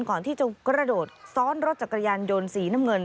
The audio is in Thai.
ก่อนที่จะกระโดดซ้อนรถจักรยานยนต์สีน้ำเงิน